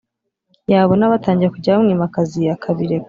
yabona batangiye kujya bamwima akazi akabireka